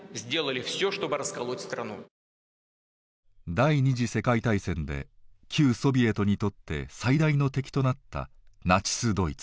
第２次世界大戦で旧ソビエトにとって最大の敵となったナチスドイツ。